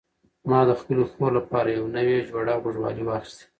ما د خپلې خور لپاره یو نوی جوړه غوږوالۍ واخیستې.